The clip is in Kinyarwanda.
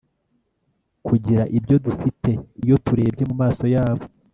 kugira ibyo dufite iyo turebye mumaso yabo